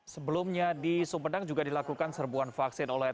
sebelumnya di sumedang juga dilakukan serbuan vaksin oleh